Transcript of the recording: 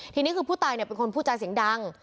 ทีนี้คือผู้ตายเป็นคนพูดจาเสียงดัง